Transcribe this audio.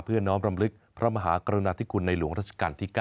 เพื่อน้องบำลึกพระมหากรณาธิกุลในหลวงราชการที่๙